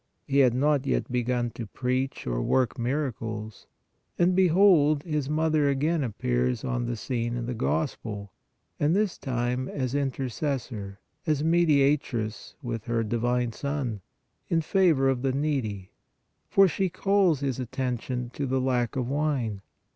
He had not yet begun to preach or work miracles, and behold His Mother again ap pears on the scene in the Gospel, and this time as Intercessor, as Mediatress with her divine Son, in favor of the needy, for she calls His attention to the lack of wine.